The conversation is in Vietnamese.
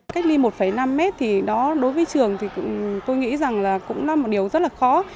cách ly một năm mét thì đó đối với trường thì tôi nghĩ rằng là cũng là một điều rất là khó